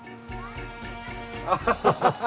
アハハハ！